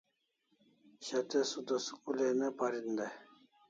Shat'e Suda school ai ne parin dai